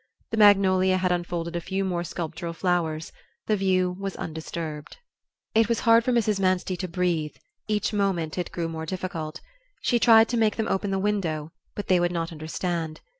The magnolia had unfolded a few more sculptural flowers; the view was undisturbed. It was hard for Mrs. Manstey to breathe; each moment it grew more difficult. She tried to make them open the window, but they would not understand.